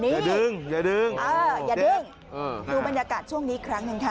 อย่าดึงอย่าดึงอย่าดึงดูบรรยากาศช่วงนี้อีกครั้งหนึ่งค่ะ